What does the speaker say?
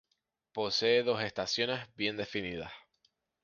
Posee dos estaciones bien definidas.